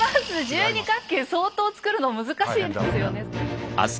十二角形相当つくるの難しいですよね。